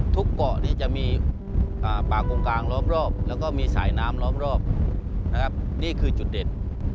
เกาะนี่จะมีป่ากงกลางล้อมรอบแล้วก็มีสายน้ำล้อมรอบนะครับนี่คือจุดเด่น